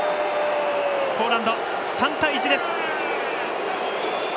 ポーランド、３対１です。